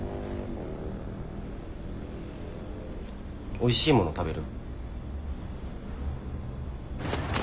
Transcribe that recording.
おいしいもの食べる？